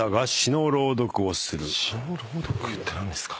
「詩の朗読」って何ですか？